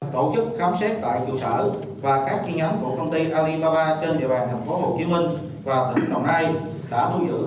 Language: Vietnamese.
tổ chức khám xét tại chủ sở và các chi nhánh của công ty alibaba trên địa bàn thành phố hồ chí minh